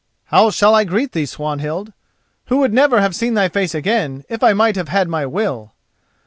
"How shall I greet thee, Swanhild, who would never have seen thy face again if I might have had my will?